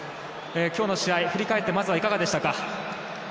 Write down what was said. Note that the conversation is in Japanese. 今日の試合、振り返っていかがでしたか。